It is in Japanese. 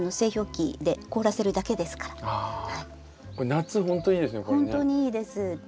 夏ほんといいですね